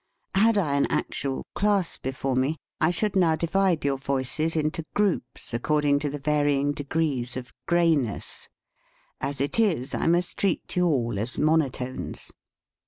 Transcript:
Had I an actual class before me, I should now divide your voices into groups according to the varying degrees of gray ness. As it is, I must treat you all as monotones.